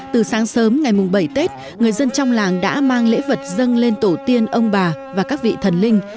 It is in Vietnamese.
từ sáng sớm ngày bảy tết người dân trong làng đã mang lễ vật dâng lên tổ tiên ông bà và các vị thần linh